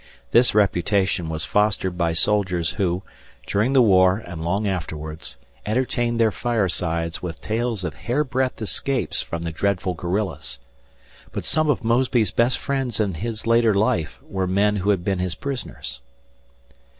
This reputation was fostered by soldiers, who, during the war and long afterwards, entertained their firesides with tales of hairbreadth escapes from the dreadful guerrillas. But some of Mosby's best friends in his later life were men who had been his prisoners.